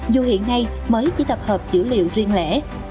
dù hiện nay mới chỉ tập hợp dữ liệu riêng lẻ